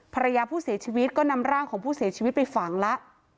ภรรยาผู้เสียชีวิตก็นำร่างของผู้เสียชีวิตไปฝังแล้ว